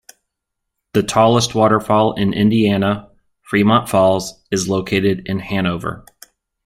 The tallest waterfall in Indiana, Fremont Falls, is located in Hanover.